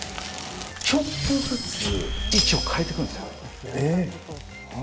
ちょっとずつ位置を変えていくんですよ。